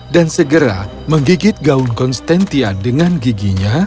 dan segera menggigit gaun konstantia dengan giginya